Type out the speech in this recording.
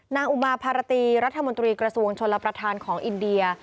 อุมาภารตีรัฐมนตรีกระทรวงชนรับประทานของอินเดีย